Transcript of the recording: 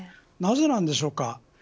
なぜなのでしょうか。